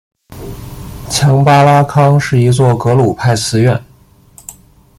强巴拉康是一座格鲁派寺院。